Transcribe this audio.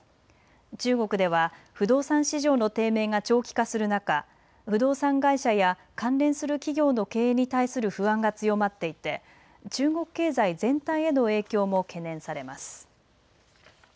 中国では不動産市場の低迷が長期化する中、不動産会社や関連する企業の経営に対する不安が強まっていて中国経済全体への影響も懸念されます。